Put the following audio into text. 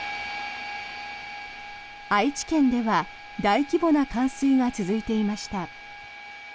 愛知県では大規模な冠水が続いていました。